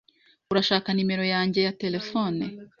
Urashaka nimero yanjye ya terefone?